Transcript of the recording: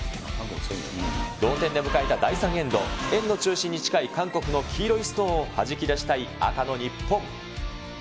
同点で迎えた第３エンド、円の中心に近い韓国の黄色いストーンをはじき出したい赤の日本。